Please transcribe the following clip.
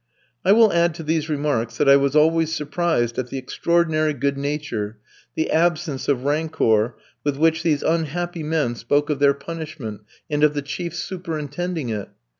I will add to these remarks that I was always surprised at the extraordinary good nature, the absence of rancour with which these unhappy men spoke of their punishment, and of the chiefs superintending it.